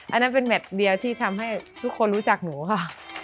อันนั้นเป็นแมทเดียวที่ทำให้ทุกคนรู้จักหนูค่ะ